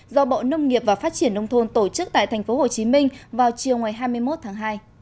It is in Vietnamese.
do bộ nông nghiệp và phát triển nông thôn tổ chức tại tp hcm vào chiều hai mươi một tháng hai